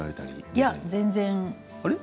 いや、全然。